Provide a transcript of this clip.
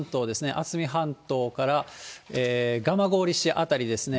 渥美半島から蒲郡市辺りですね。